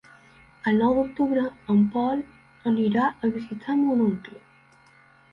El nou d'octubre en Pol anirà a visitar mon oncle.